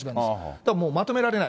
だからもうまとめられない。